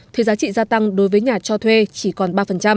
thuế giá trị gia tăng đối với nhà cho thuê chỉ còn ba